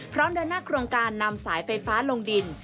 เดินหน้าโครงการนำสายไฟฟ้าลงดิน